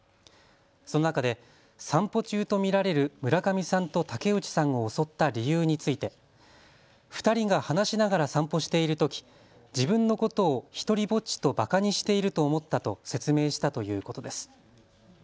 その中で散歩中と見られる村上さんと竹内さんを襲った理由について２人が話しながら散歩しているとき自分のことを独りぼっちとばかにしていると思ったと説明したということです。